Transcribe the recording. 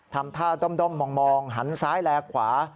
ทำท่าด้อมมองหันซ้ายแลขวา